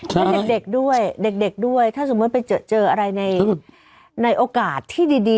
และเด็กด้วยเด็กด้วยถ้าสมมุติไปเจออะไรในโอกาสที่ดี